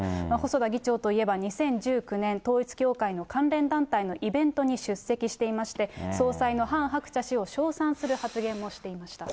細田議長といえば２０１９年、統一教会の関連団体のイベントに出席していまして、総裁のハン・ハクチャ氏を称賛する発言もしていました。